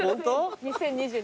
２０２２年。